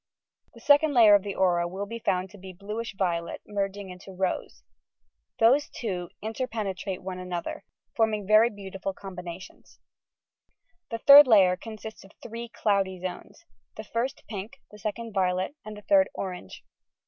The second layer of the aura will be found to be bluish violet, merging into rose. Those two inter pene trate one another, forming very beautiful combinations. The third layer consists of three cloudy zones, the first pink, the second violet, and the third orange.